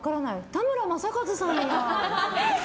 田村正和さんや。